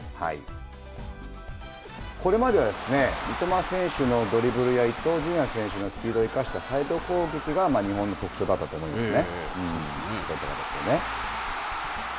これまでは、三笘選手のドリブルや伊東純也選手のスピードを生かしたサイド攻撃が日本の特徴だったと思いますね。